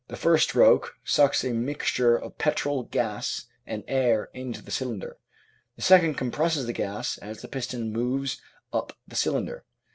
The first stroke sucks a mixture of petrol gas and air into the cylinder, the second compresses the gas as the piston moves up the cylinder.